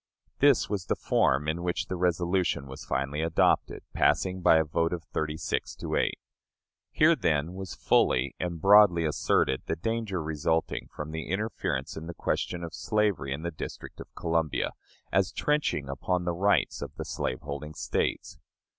This was the form in which the resolution was finally adopted, passing by a vote of thirty six to eight. Here, then, was fully and broadly asserted the danger resulting from the interference in the question of slavery in the District of Columbia, as trenching upon the rights of the slaveholding States.